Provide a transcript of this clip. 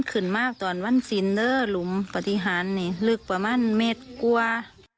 ก็หลุมปฏิหารนี่ลึกประมาณเมตรกว่า